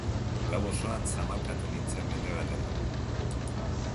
Gau osoan zamalkatu nintzen mendebaldera.